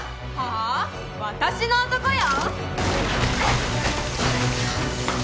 私の男よ！